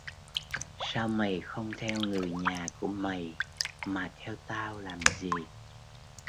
Sao mày không theo người nhà của mày mà theo tao làm gì